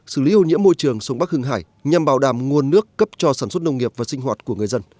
xử lý ô nhiễm môi trường sông bắc hưng hải nhằm bảo đảm nguồn nước cấp cho sản xuất nông nghiệp và sinh hoạt của người dân